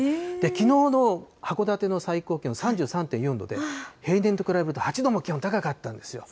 きのうの函館の最高気温３３．４度で、平年と比べると８度も気温高かったんですよ。